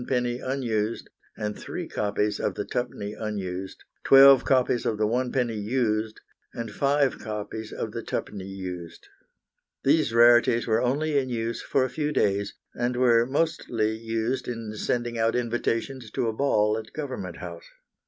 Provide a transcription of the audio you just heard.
unused, and three copies of the 2d. unused, twelve copies of the 1d. used, and five copies of the 2d. used. These rarities were only in use for a few days, and were mostly used in sending out invitations to a ball at Government House.